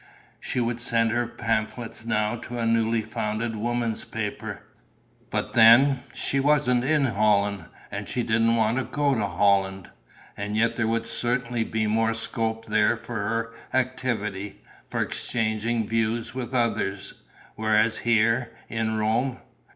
She would send her pamphlet now to a newly founded women's paper. But then? She wasn't in Holland and she didn't want to go to Holland; and yet there would certainly be more scope there for her activity, for exchanging views with others. Whereas here, in Rome....